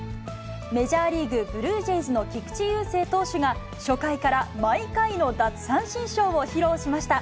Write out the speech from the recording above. メジャーリーグ・ブルージェイズの菊池雄星投手が初回から毎回の奪三振ショーを披露しました。